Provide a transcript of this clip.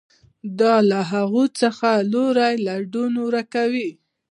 دا له هغوی څخه لوری لودن ورک کوي.